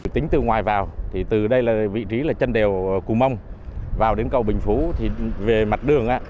tính từ ngoài vào thì từ đây là vị trí là chân đèo cù mông vào đến cầu bình phú thì về mặt đường